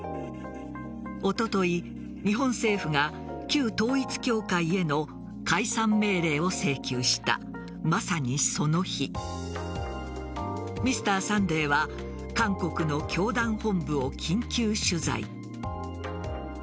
おととい、日本政府が旧統一教会への解散命令を請求したまさに、その日「Ｍｒ．サンデー」は韓国の教団本部を緊急取材。